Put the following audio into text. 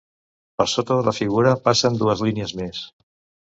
Per sota de la figura passen dues línies més.